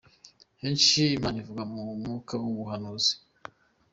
Kenshi Imana ivuga mu Mwuka w’ubuhanuzi.